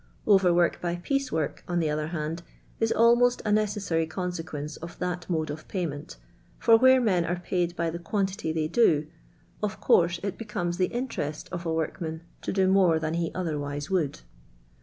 Over work by piece work, on the other handy is almost a necessary consequence of tliat moda of payment — for where men are paid by the quantity they do, of course it becomes tlie interest of a woriunan to do more than he otherwise would.